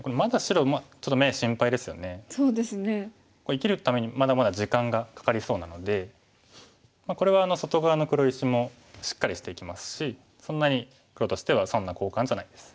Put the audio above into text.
生きるためにまだまだ時間がかかりそうなのでこれは外側の黒石もしっかりしていきますしそんなに黒としては損な交換じゃないです。